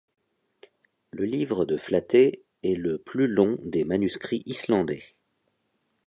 Le livre de Flatey est le plus long des manuscrits islandais.